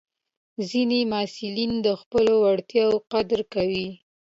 ځینې محصلین د خپلو وړتیاوو قدر کوي.